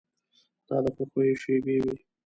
دا د خوښیو شېبې وې.